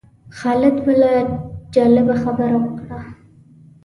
خالد بله جالبه خبره وکړه.